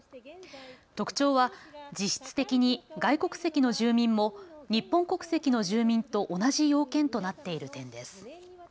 特徴は、実質的に外国籍の住民も日本国籍の住民と同じ要件となっている点です。